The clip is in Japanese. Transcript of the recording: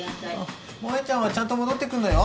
萌ちゃんはちゃんと戻ってくんのよ。